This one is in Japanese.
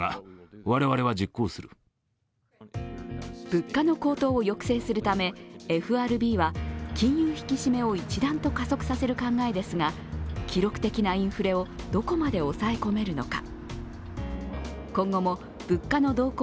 物価の高騰を抑制するためＦＲＢは金融引き締めを一段と加速させる考えですが、記録的なインフレをどこまで抑え込めるのか。